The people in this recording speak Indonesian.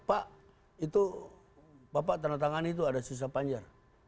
pak itu bapak tanda tangan itu ada sisa panjar